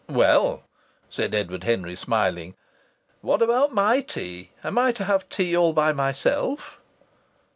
"Well," said Edward Henry, smiling, "what about my tea? Am I to have tea all by myself?"